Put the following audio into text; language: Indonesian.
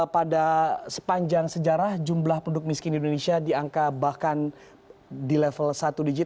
pada sepanjang sejarah jumlah penduduk miskin di indonesia di angka bahkan di level satu digit